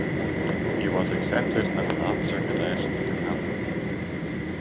He was accepted as an officer cadet in the cavalry.